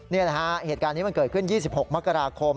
นี่แหละฮะเหตุการณ์นี้มันเกิดขึ้น๒๖มกราคม